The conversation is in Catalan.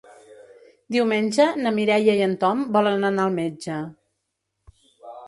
Diumenge na Mireia i en Tom volen anar al metge.